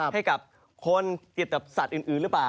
ให้กับคนติดตับสัตว์อื่นหรือเปล่า